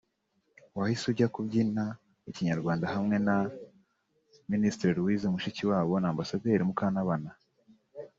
wahise ujya kubyina ikinyarwanda hamwe na Ministre Louise Mushikiwabo na Ambasaderi Mukantabana